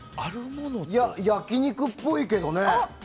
焼き肉っぽいけどね。